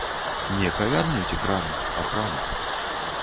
Не кавярню ці краму, а храм.